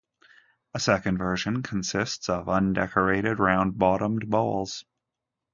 A second version consists of undecorated, round-bottomed bowls.